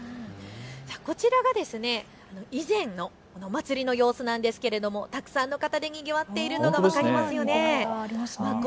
こちらが以前のお祭りの様子なんですけれどもたくさんの方でにぎわっているのが分かりますよね。